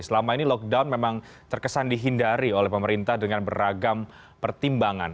selama ini lockdown memang terkesan dihindari oleh pemerintah dengan beragam pertimbangan